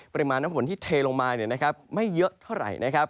ปริมาณน้ำฝนที่เทลงมาไม่เยอะเท่าไหร่นะครับ